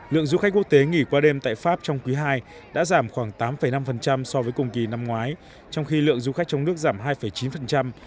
lượng du khách quốc tế nghỉ qua đêm tại pháp trong quý ii đã giảm khoảng tám năm so với cùng kỳ năm ngoái trong khi lượng du khách trong nước giảm hai chín